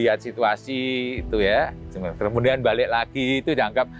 lihat situasi itu ya kemudian balik lagi itu dianggap